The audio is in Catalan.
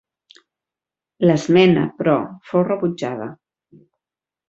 L'esmena, però, fou rebutjada.